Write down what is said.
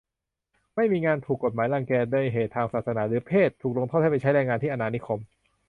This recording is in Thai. ไม่มีงาน ถูกกฎหมายรังแกด้วยเหตุทางศาสนาหรือเพศ ถูกลงโทษให้ไปใช้แรงงานที่อาณานิคม